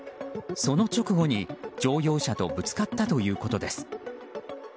その直後に乗用車とぶつかったということです。